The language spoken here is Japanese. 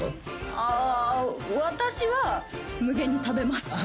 あ私は無限に食べますあ